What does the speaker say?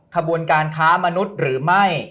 ขบวนการค้ามนุษย์หรือไม่